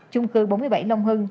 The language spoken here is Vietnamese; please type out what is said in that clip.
chung cư bốn mươi bảy long hưng